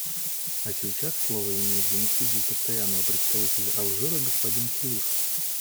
А сейчас слово имеет заместитель Постоянного представителя Алжира господин Хелиф.